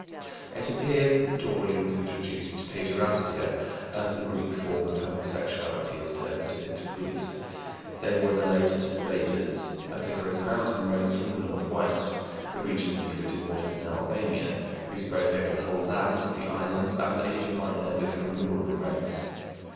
It appears that the Dorians introduced paiderastia, as the Greek form of homosexuality is termed, into Greece; they were the latest invaders, a vigorous mountain race from the northwest (the region including what is now Albania) who spread over the whole land, the islands, and Asia Minor, becoming the ruling race.